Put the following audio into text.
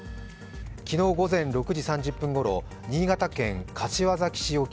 昨日午前６時３０分ごろ、新潟県柏崎市沖